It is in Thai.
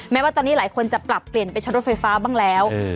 แม้ว่าตอนนี้หลายคนจะปรับเปลี่ยนไปชั้นรถไฟฟ้าบ้างแล้ว